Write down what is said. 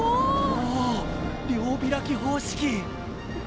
お両開き方式！